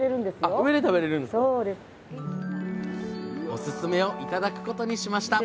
おすすめを頂くことにしました！